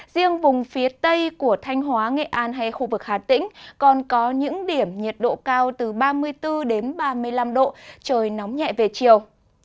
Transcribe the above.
riêng vùng phía tây của thanh hóa nghệ an hay khu vực hà tĩnh còn có những điểm nhiệt độ cao từ ba mươi bốn đến ba mươi năm độ trời nóng nhẹ về chiều